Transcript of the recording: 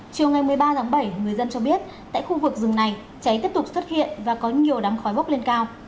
chiều ngày một mươi ba tháng bảy người dân cho biết tại khu vực rừng này cháy tiếp tục xuất hiện và có nhiều đám khói bốc lên cao